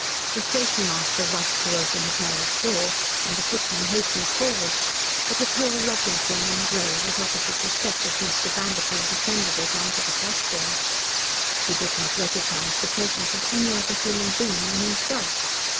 The stationmaster rushed to open the carriage door, and the footman hastened forward, but a tall lovely thing in grey was opposite the step as Mr. Vanderpoel descended it to the platform. She did not recognise the presence of any other human being than himself.